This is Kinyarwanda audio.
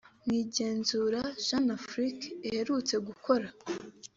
mu igenzura Jeune Afrique iherutse gukora